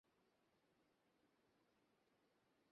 রেখে আয় গে, আজকেই চলে যা।